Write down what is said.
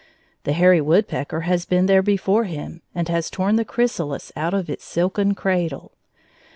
The hairy woodpecker has been there before him, and has torn the chrysalis out of its silken cradle.